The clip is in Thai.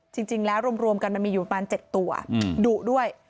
จริงแล้วรวมกันมันมีอยู่ประมาณ๗ตัวดุด้วย